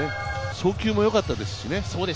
送球もよかったですしね。